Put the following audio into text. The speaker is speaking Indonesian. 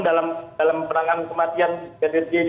dalam perangan kematian brigadir jni